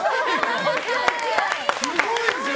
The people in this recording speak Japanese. すごいですよ。